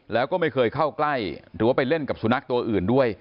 แล้วก็ไม่เคยเข้าใกล้หรือว่าไปเล่นกับสุนัขตัวอื่นด้วย